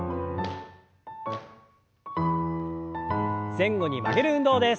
前後に曲げる運動です。